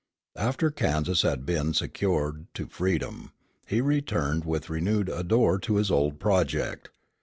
After Kansas had been secured to freedom, he returned with renewed ardor to his old project.